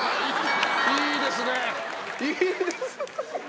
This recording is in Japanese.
いいですね。